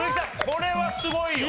これはすごいよ。